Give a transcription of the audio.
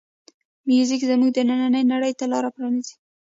موزیک زمونږ دنننۍ نړۍ ته لاره پرانیزي.